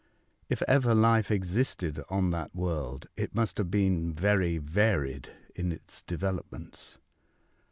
If ever life existed on that world, it must have been very varied in its developments.